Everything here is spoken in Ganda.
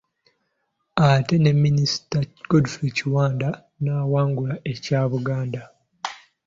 Ate ne Minisita Godfrey Kiwanda n'awangula ekya Buganda.